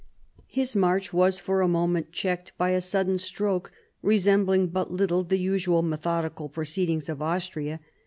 His march was for a moment checked by a sudden stroke resembling but little the usual methodical proceedings of Austria.